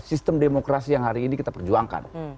sistem demokrasi yang hari ini kita perjuangkan